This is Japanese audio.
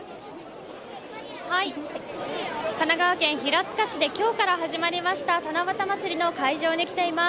神奈川県平塚市で今日から始まりました七夕まつりの会場に来ています。